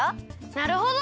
なるほど！